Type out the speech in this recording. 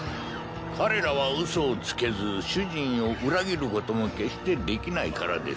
彼らはうそをつけず主人を裏切ることも決してできないからです。